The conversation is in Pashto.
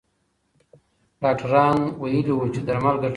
ډاکټران ویلي وو چې درمل ګټور دي.